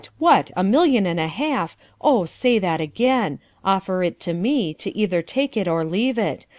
what! a million and a half! Oh! say that again! Offer it to me, to either take it or leave it.